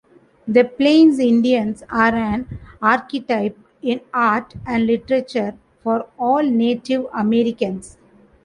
The Plains Indians are an archetype in art and literature for all Native Americans.